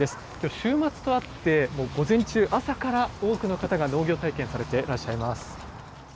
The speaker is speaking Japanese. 週末とあって、午前中、朝から多くの方が農業体験されてらっしゃいます。